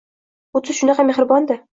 U o`zi shunaqa mehribon-da